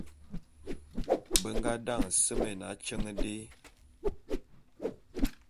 Be nga daňe semé atyeň dé.